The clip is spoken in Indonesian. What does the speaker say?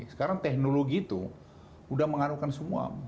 sekarang teknologi itu sudah mengaruhkan semua